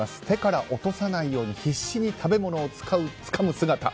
手から落とさないように必死に食べ物をつかむ姿。